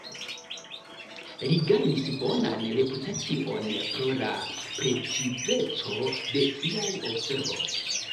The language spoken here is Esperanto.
Li gajnis bonan reputacion pro la precizeco de siaj observoj.